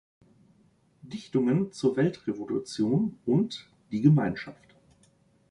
Dichtungen zur Weltrevolution" und "Die Gemeinschaft.